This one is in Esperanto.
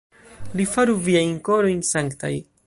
Li faru viajn korojn sanktaj.